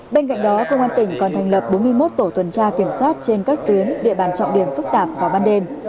bên cạnh đó công an tỉnh còn thành lập bốn mươi một tổ tuần tra kiểm soát trên các tuyến địa bàn trọng điểm phức tạp vào ban đêm